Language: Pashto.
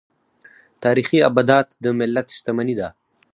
تاریخي ابدات د ملت شتمني ده.